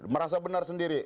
merasa benar sendiri